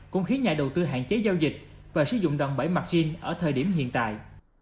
cũng khiến nhà đầu tư hạn chế giao dịch và sử dụng đòn bẫy mặt gn ở thời điểm hiện tại